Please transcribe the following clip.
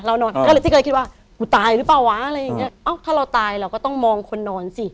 นอนก็เลยตี้ก็เลยคิดว่ากูตายหรือเปล่าวะอะไรอย่างเงี้เอ้าถ้าเราตายเราก็ต้องมองคนนอนสิ